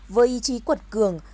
với ý chí quật cường